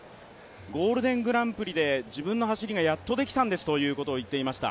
ゴールデングランプリで自分の走りがやっとできたんですと言っていました。